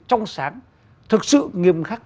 trong sáng thực sự nghiêm khắc